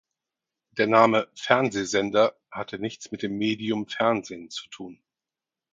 Der Name „Fernsehsender“ hatte nichts mit dem Medium Fernsehen zu tun.